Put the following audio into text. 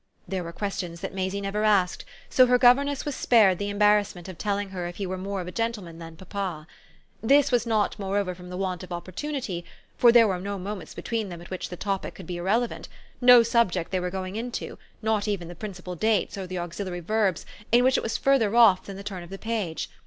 There were questions that Maisie never asked; so her governess was spared the embarrassment of telling her if he were more of a gentleman than papa. This was not moreover from the want of opportunity, for there were no moments between them at which the topic could be irrelevant, no subject they were going into, not even the principal dates or the auxiliary verbs, in which it was further off than the turn of the page.